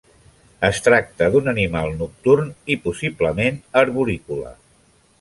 Es tracta d'un animal nocturn i, possiblement, arborícola.